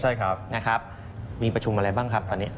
ใช่ครับนะครับมีประชุมอะไรบ้างครับตอนนี้